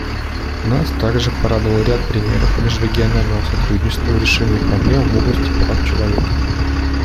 Нас также порадовал ряд примеров межрегионального сотрудничества в решении проблем в области прав человека.